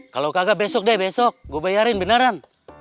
kalau kagak besok deh besok gue bayarin beneran